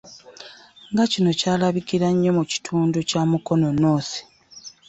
Nga kino kyalabikira nnyo mu kitundu kya Mukono North